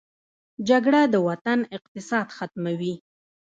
جګړه د وطن اقتصاد ختموي